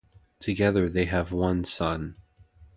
Together they have one son.